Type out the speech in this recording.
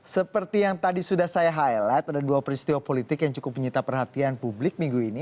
seperti yang tadi sudah saya highlight ada dua peristiwa politik yang cukup menyita perhatian publik minggu ini